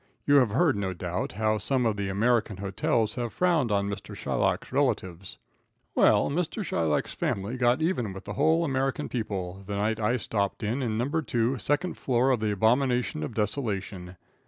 You have heard, no doubt, how some of the American hotels have frowned on Mr. Shylock's relatives. Well, Mr. Shylock's family got even with the whole American people the night I stopped in No. 2, second floor of the Abomination of Desolation.